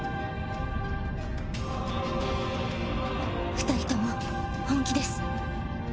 二人とも本気です。